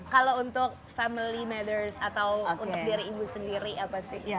kalau untuk family mathers atau untuk diri ibu sendiri apa sih